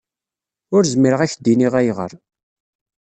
Ur zmireɣ ad k-d-iniɣ ayɣer.